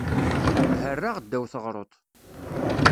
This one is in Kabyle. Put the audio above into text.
Herraɣ ddaw teɣruḍt.